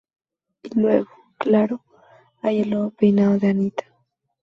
Y luego, claro, hay el nuevo peinado de Anitta".